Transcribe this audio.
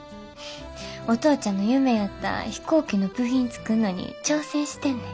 お父ちゃんの夢やった飛行機の部品作んのに挑戦してんねん。